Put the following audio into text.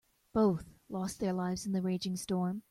Both lost their lives in the raging storm.